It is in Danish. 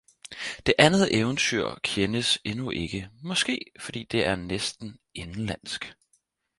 Det andet Eventyr kjendes endnu ikke, maaskee fordi det er næsten indenlandsk.